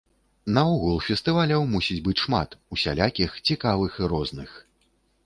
Наогул фестываляў мусіць быць шмат, усялякіх, цікавых і розных.